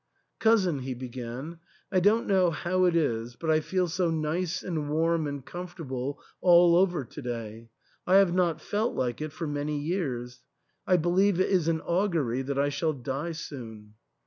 "Cousin," he began, " I don't know how it is, but I feel so nice and warm and comfortable all over to day ; I have not felt like it for many years. I believe it is an augury that I shall die soon."